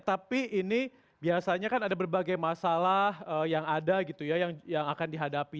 tapi ini biasanya kan ada berbagai masalah yang ada gitu ya yang akan dihadapi